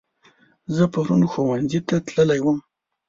زه پرون ښوونځي ته تللی وم